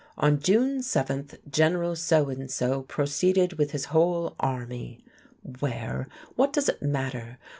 "On June the 7th General So and so proceeded with his whole army " where? What does it matter?